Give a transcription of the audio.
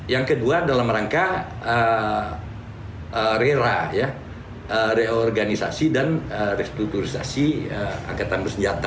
yang kedua dalam rangka rera reorganisasi dan restrukturisasi angkatan bersenjata